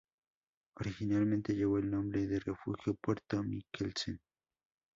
Originalmente llevó el nombre de refugio Puerto Mikkelsen.